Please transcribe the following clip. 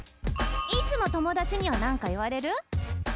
いつも友だちにはなんか言われる？